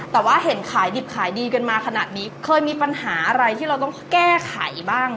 แต่ว่าเห็นขายดิบขายดีกันมาขนาดนี้เคยมีปัญหาอะไรที่เราต้องแก้ไขบ้าง